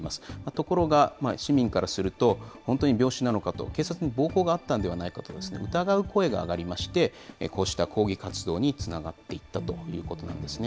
ところが、市民からすると、本当に病死なのかと、警察に暴行があったんではないかという疑う声が上がりまして、こうした抗議活動につながっていったということなんですね。